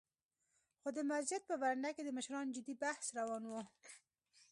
خو د مسجد په برنډه کې د مشرانو جدي بحث روان و.